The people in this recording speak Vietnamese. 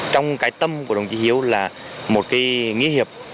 trong cái tâm của đồng chí hiếu là một cái nghĩa hiệp